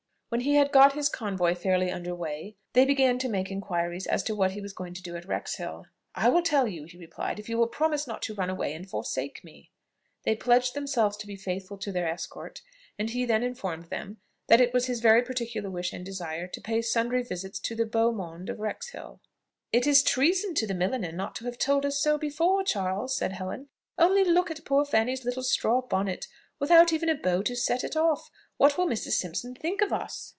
When he had got his convoy fairly under weigh, they began to make inquiries as to what he was going to do at Wrexhill. "I will tell you," he replied, "if you will promise not to run away and forsake me." They pledged themselves to be faithful to their escort, and he then informed them, that it was his very particular wish and desire to pay sundry visits to the beau monde of Wrexhill. "It is treason to the milliner not to have told us so before, Charles," said Helen; "only look at poor Fanny's little straw bonnet, without even a bow to set it off. What will Mrs. Simpson think of us?"